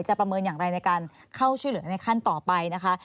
ประเมินอย่างไรในการเข้าช่วยเหลือในขั้นต่อไปนะคะ